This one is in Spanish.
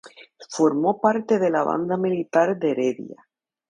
Formó parte de la banda militar de Heredia.